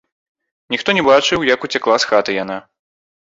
Ніхто не бачыў, як уцякла з хаты яна.